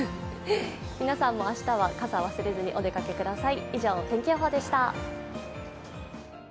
皆さんも明日は傘、忘れずにお出かけください。